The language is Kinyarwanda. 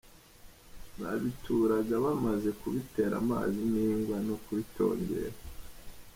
Babituraga bamaze kubitera amazi n’ingwa no kubitongera.